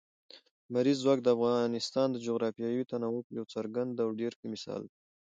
لمریز ځواک د افغانستان د جغرافیوي تنوع یو څرګند او ډېر ښه مثال دی.